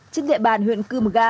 trên địa bàn huyện cư mga